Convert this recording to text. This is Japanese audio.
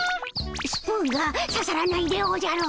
スプーンがささらないでおじゃる。